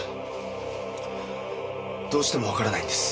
どうしてもわからないんです。